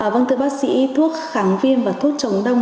vâng thưa bác sĩ thuốc kháng viêm và thuốc chống đông